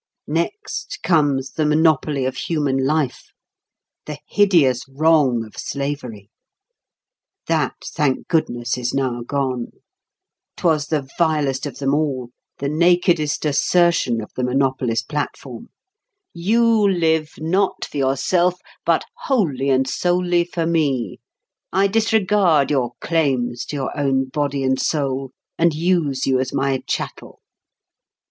Next comes the monopoly of human life, the hideous wrong of slavery. That, thank goodness, is now gone. 'Twas the vilest of them all—the nakedest assertion of the monopolist platform: "You live, not for yourself, but wholly and solely for me. I disregard your claims to your own body and soul, and use you as my chattel."